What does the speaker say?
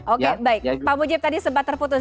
oke baik pak mujib tadi sempat terputus